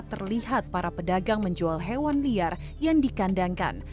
terlihat para pedagang menjual hewan liar yang dikandangkan